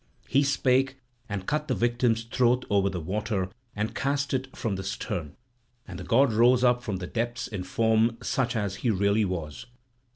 He spake, and cut the victim's throat over the water and cast it from the stern. And the god rose up from the depths in form such as he really was.